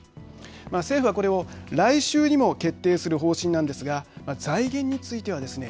政府は、これを来週にも決定する方針なんですが財源についてはですね